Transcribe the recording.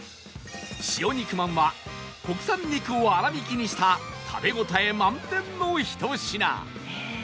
塩肉まんは国産肉を粗びきにした食べ応え満点のひと品